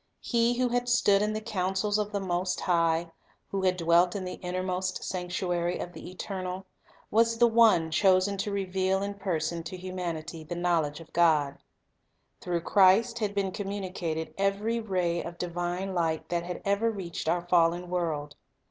He who had stood in the coun Heaven's cils of the Most High, who had dwelt in the innermost latest sanctuary of the Eternal, was the One chosen to reveal in person to humanity the knowledge of God. Through Christ had been communicated every ray of divine light that had ever reached our fallen world.